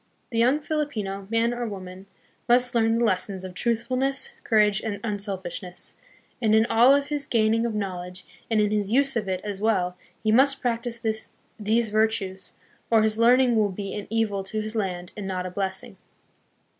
The young Filipino, man or woman, must learn the lessons of truthfulness, courage, and unselfishness, and in all of his gaining of knowledge, and in his use of it as well, he must practice these virtues, or his learning will be an evil to his land and not a blessing.